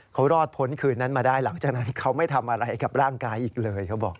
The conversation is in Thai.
เขารอดพ้นคืนนั้นมาได้หลังจากนั้นเขาไม่ทำอะไรกับร่างกายอีกเลยเขาบอก